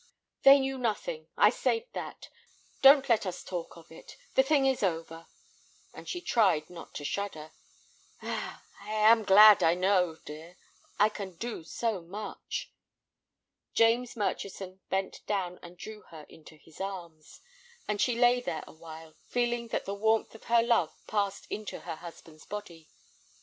"They knew nothing; I saved that. Don't let us talk of it; the thing is over"—and she tried not to shudder. "Ah—I am glad I know, dear, I can do so much." James Murchison bent down and drew her into his arms, and she lay there awhile, feeling that the warmth of her love passed into her husband's body.